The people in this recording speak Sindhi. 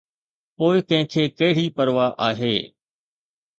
پوءِ ڪنهن کي ڪهڙي پرواهه آهي؟